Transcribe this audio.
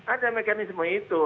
ada mekanisme itu